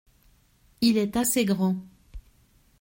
Il est assez grand.